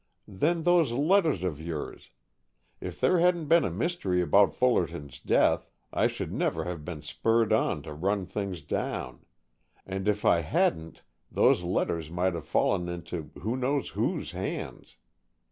Then those letters of yours, if there hadn't been a mystery about Fullerton's death, I should never have been spurred on to run things down, and if I hadn't those letters might have fallen into who knows whose hands!